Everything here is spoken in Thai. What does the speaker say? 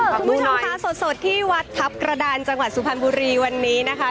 คุณผู้ชมค่ะสดที่วัดทัพกระดานจังหวัดสุพรรณบุรีวันนี้นะคะ